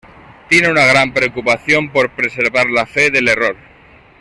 Tiene una gran preocupación por preservar la fe del error.